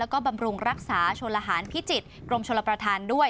แล้วก็บำรุงรักษาชนละหารพิจิตรกรมชลประธานด้วย